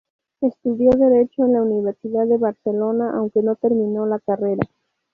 Estudió Derecho en la Universidad de Barcelona aunque no terminó la carrera.